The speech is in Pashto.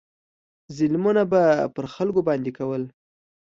ظلمونه به پر خلکو باندې کول.